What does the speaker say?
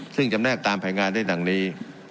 ซึ่งจำแนกตามแผนงานได้ดังนี้